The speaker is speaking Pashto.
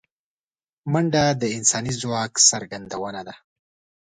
منډه د انساني ځواک څرګندونه ده